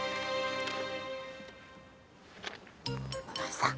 お前さん！